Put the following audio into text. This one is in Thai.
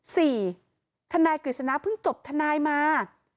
ทนายกฤษณะเพิ่งจบทนายมา